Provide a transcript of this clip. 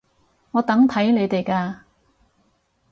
我等睇你哋㗎